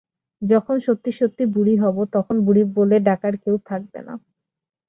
যখন সত্যি সত্যি বুড়ি হব তখন বুড়ি বলে ডাকার কেউ থাকবে না।